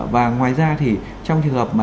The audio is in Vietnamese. và ngoài ra thì trong trường hợp